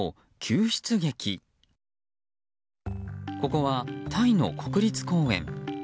ここはタイの国立公園。